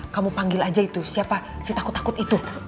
kamu panggil aja itu siapa si takut takut itu